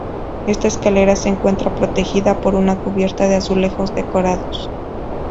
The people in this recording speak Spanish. Esta escalera se encuentra protegida por una cubierta de azulejos decorados.